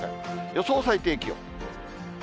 予想最低気温。